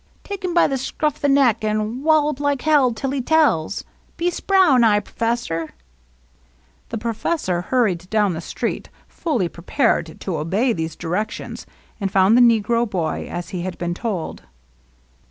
Take him by the scruff the neck, an' wallop like hell till he tells. Be spry, now, perfesser !" The professor hurried down the street, fully pre pared to obey these directions, and found the negro boy, as he had been told.